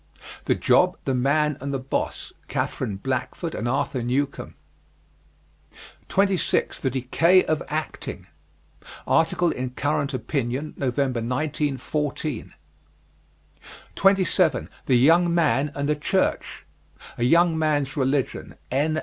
"The Job, the Man, and the Boss," Katherine Blackford and Arthur Newcomb. 26. THE DECAY OF ACTING. Article in Current Opinion, November, 1914. 27. THE YOUNG MAN AND THE CHURCH. "A Young man's Religion," N.